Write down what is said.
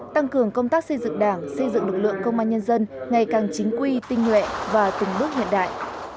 tăng cường công tác xây dựng đảng xây dựng lực lượng công an nhân dân ngày càng chính quy tinh nhuệ và từng bước hiện đại